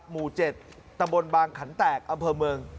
หมู่๗ตำบลบางขันแตกอำเภอเมือง